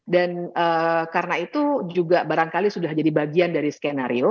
dan karena itu juga barangkali sudah jadi bagian dari skenario